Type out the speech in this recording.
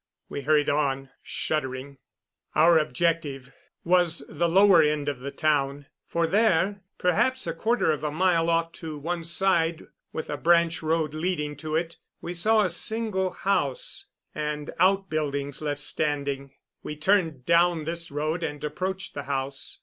We hurried on, shuddering. Our objective was the lower end of the town, for there, perhaps a quarter of a mile off to one side with a branch road leading to it, we saw a single house and out buildings left standing. We turned down this road and approached the house.